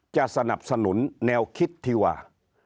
จะสนับสนุนแนวคิดที่ว่า